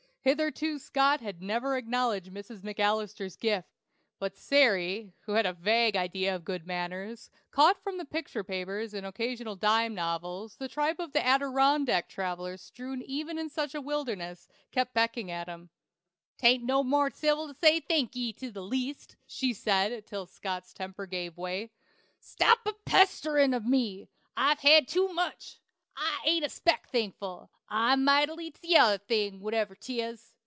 Hitherto Scott had never acknowledged Mrs McAlister's gift; but Sary, who had a vague idea of good manners, caught from the picture papers and occasional dime novels the tribe of Adirondack travellers strew even in such a wilderness, kept pecking at him. "Ta'n't no more'n civil to say thank ye, to the least," she said, till Scott's temper gave way. "Stop a pesterin' of me! I've hed too much. I ain't a speck thankful! I'm mightily t'other thing, whatever 'tis.